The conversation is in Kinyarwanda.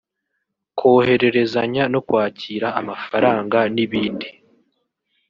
kohererezanya no kwakira amafaranga n’ibindi